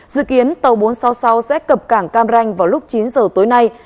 dự kiến tàu bốn trăm sáu mươi sáu sẽ cập cảng cam ranh vào lúc chín giờ tối nay